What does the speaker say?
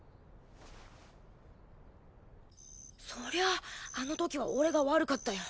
そりゃああの時は俺が悪かったよ。